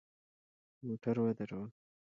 موټر ودروه !